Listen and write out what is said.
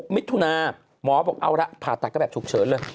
มิถุนาหมอบอกเอาละผ่าตัดก็แบบฉุกเฉินเลย